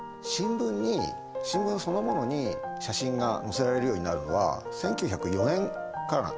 新聞そのものに写真が載せられるようになるのは１９０４年からなんだよ。